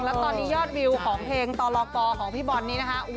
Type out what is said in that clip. พลิวของเพลงต่อรอกต่อของพี่บอนนี่นะคะ